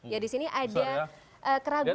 ya disini ada keraguan ya